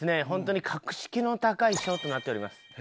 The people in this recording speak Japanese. ホントに格式の高いショーとなっております。